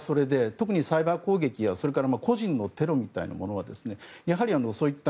特にサイバー攻撃や個人のテロみたいなものはやはり、そういった